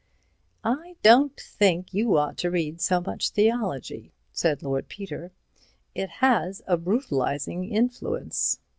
"I don't think you ought to read so much theology," said Lord Peter. "It has a brutalizing influence."